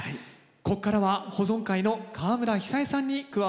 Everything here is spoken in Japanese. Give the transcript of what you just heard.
ここからは保存会の川村久恵さんに加わって頂きます。